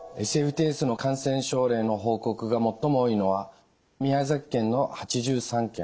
ＳＦＴＳの感染症例の報告が最も多いのは宮崎県の８３件。